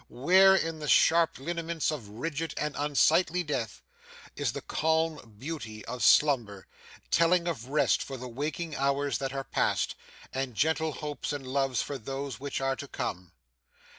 Where, in the sharp lineaments of rigid and unsightly death, is the calm beauty of slumber, telling of rest for the waking hours that are past, and gentle hopes and loves for those which are to come?